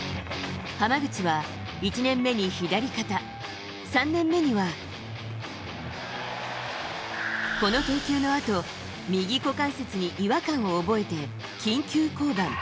浜口は１年目に左肩、３年目には、この投球のあと、右股関節に違和感を覚えて、緊急降板。